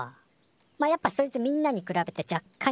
まあやっぱそいつみんなに比べてじゃっかん